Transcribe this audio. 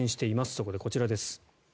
そこでこちらです。